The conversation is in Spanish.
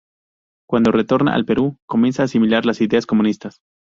Cuando retorna al Perú comienza a asimilar las ideas comunistas.